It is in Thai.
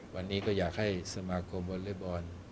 วันนี้ก็อยากให้สมาคมวอเล็กบอล